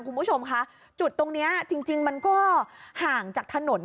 คุณผู้ชมคะจุดตรงนี้จริงมันก็ห่างจากถนน